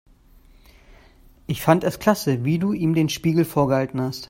Ich fand es klasse, wie du ihm den Spiegel vorgehalten hast.